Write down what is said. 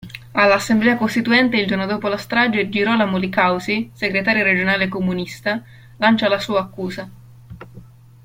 All'Assemblea costituente il giorno dopo la strage Girolamo Li Causi, segretario regionale comunista, lancia la sua accusa.